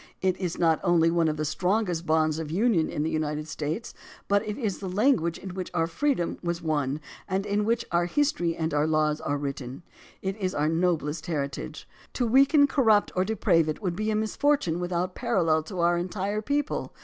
It is not only one of the strongest bonds of union in the United States, but it is the language in which our freedom was won and in which our history and our laws are written. It is our noblest heritage. To weaken, corrupt, or deprave it would be a misfortune without parallel to our entire people.